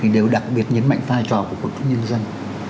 đều đặc biệt nhấn mạnh vai trò của quần chúng nhân dân